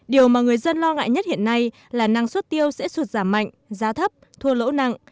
điều mà người dân lo ngại nhất hiện nay là năng suất tiêu sẽ sụt giảm mạnh giá thấp thua lỗ nặng